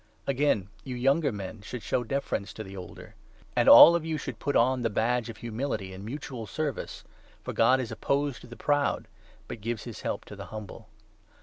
Again, you younger men should show 5 deference to the older. And all of you should put on the badge of humility in mutual service, for ' God is opposed to the proud, but gives his help to the humble.'